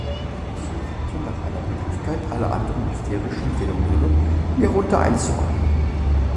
Er suchte nach einer Möglichkeit, alle anderen hysterischen Phänomene hierunter einzuordnen.